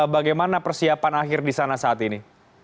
bagaimana persiapan akhir di sana saat ini